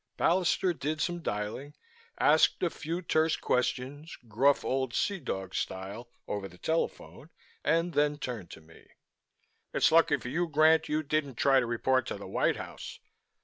Ballister did some dialing, asked a few terse questions gruff old sea dog style over the telephone and then turned to me. "It's lucky for you, Grant, you didn't try to report to the White House.